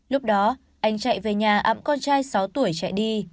lúc đó anh chạy về nhà ậm con trai sáu tuổi chạy đi